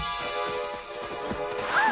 あっ！